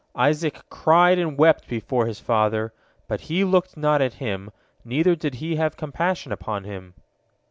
Isaac cried and wept before his father, but he looked not at him, neither did he have compassion upon him."